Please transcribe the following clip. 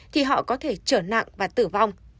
thì họ có thể trở nặng và tử vong